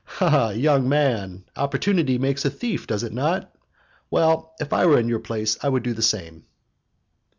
"Ah, young man! opportunity makes a thief, does it not? Well, if I were in your place, I would do the same."